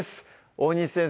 大西先生